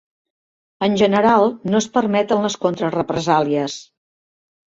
En general, no es permeten les contra-represàlies.